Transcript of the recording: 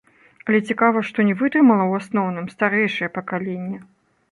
Але цікава, што не вытрымала ў асноўным старэйшае пакаленне.